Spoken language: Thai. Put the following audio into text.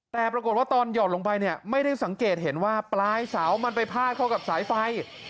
แต่ปรากฏว่าตอนหยอดลงไปเนี่ยไม่ได้สังเกตเห็นว่าปลายเสามันไปพาดเข้ากับสายไฟ